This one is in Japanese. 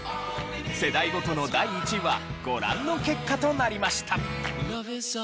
世代ごとの第１位はご覧の結果となりました。